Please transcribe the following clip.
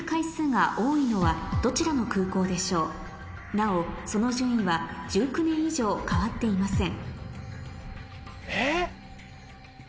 なおその順位は１９年以上変わっていません